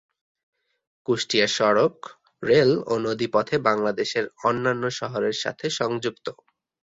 কুষ্টিয়া সড়ক, রেল ও নদী পথে বাংলাদেশের অন্যান্য শহরের সাথে সংযুক্ত।